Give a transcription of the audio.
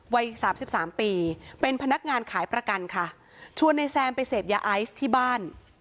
วัยสามสิบสามปีเป็นพนักงานขายประกันค่ะชวนนายแซมไปเสพยาไอซ์ที่บ้าน